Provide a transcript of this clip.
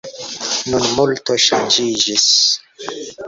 Nun multo ŝanĝiĝis.